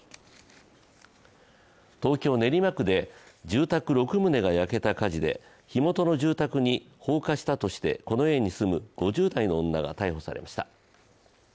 東京・練馬区で住宅６棟が焼けた火事で火元の住宅に放火したとしてこの家に住む５０代の女が逮捕されました。